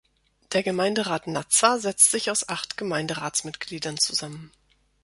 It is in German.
Der Gemeinderat Nazza setzt sich aus acht Gemeinderatsmitgliedern zusammen.